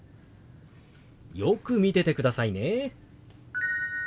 よく見ててくださいね。